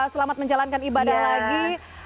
selamat menjalankan ibadah lagi